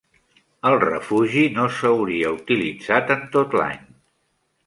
El refugi no s'hauria utilitzat en tot l'any.